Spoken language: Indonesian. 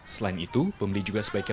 selain itu pembeli juga sebaiknya